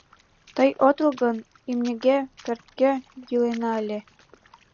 Тый отыл гын, имньыге, пӧртге йӱлена ыле.